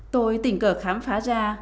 tôi tình cờ khám phá ra